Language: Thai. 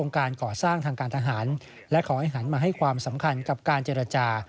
การก่อสร้างทางการทหารและขอให้หันมาให้ความสำคัญกับการเจรจา